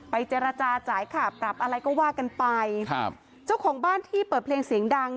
เจรจาจ่ายค่าปรับอะไรก็ว่ากันไปครับเจ้าของบ้านที่เปิดเพลงเสียงดัง